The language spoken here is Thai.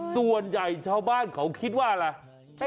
ส่วนใหญ่ชาวบ้านเขาคิดว่าอะไร